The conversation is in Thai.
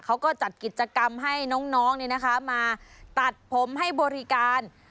เขาก็จัดกิจกรรมให้น้องมาตัดผมให้บริการ